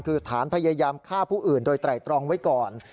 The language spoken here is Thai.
คือฐานพยายามฆ่าผู้อื่นโดยไตรตรองไว้ก่อน